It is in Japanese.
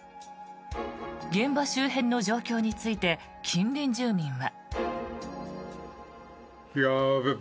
現場周辺の状況について近隣住民は。